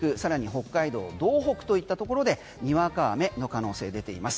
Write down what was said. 北海道道北といったところでにわか雨の可能性でています。